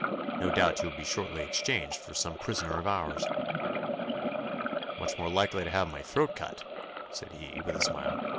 No doubt you will be shortly exchanged for some prisoner of ours.' 'Much more likely to have my throat cut,' said he, with a smile.